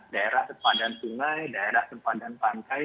daerah sepanjang sungai daerah sepanjang pangkai